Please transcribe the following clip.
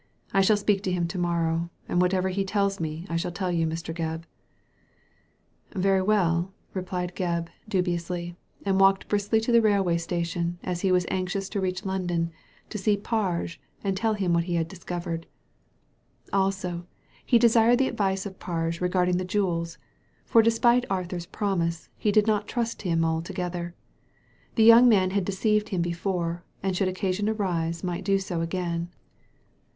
I shall speak to him to morrow, and whatever he tells me I shall tell you, Mr. Gebb." Digitized by Google PROOF POSITIVE 251 " Very well," replied Gebb, dubiously, and walked briskly to the railway station^ as he was anxious to reach London, to see Parge and tell him what he had discovered. Also, he desired the advice of Pai^e regarding the jewels, for despite Arthur's promise, he did not trust him altogether. The young man had deceived him before, and should occasion arise might do so again.